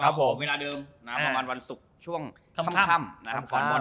เวลาดื่มประมาณวันศุกร์ช่วงคร่ำ